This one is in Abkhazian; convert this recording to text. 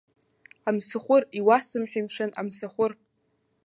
Амсахәыр, иуасымҳәеи, мшәан, амсахәыр!